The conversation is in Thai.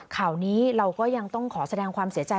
ข่าวนี้เราก็ยังต้องขอแสดงความเสียใจ